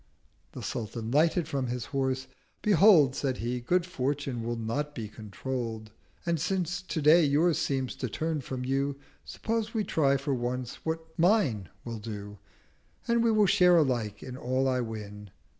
The Sultan lighted from his horse. 'Behold,' Said he, 'Good Fortune will not be controll'd: And, since Today yours seems to turn from you, 170 Suppose we try for once what mine will do, And we will share alike in all I win.'